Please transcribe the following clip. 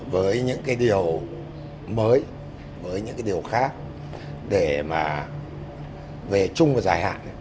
với những điều mới với những điều khác để mà về chung và dài hạn